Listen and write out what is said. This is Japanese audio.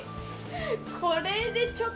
これでちょっと。